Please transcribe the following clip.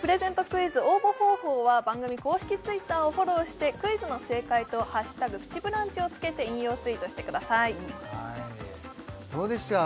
クイズ応募方法は番組公式Ｔｗｉｔｔｅｒをフォローしてクイズの正解と「＃プチブランチ」をつけて引用ツイートしてくださいどうでした？